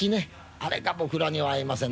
あれが僕らには合いません。